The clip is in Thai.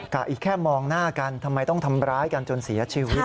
อีกแค่มองหน้ากันทำไมต้องทำร้ายกันจนเสียชีวิต